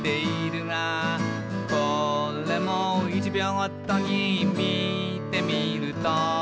「これも１秒毎にみてみると」